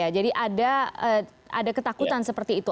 jadi ada ketakutan seperti itu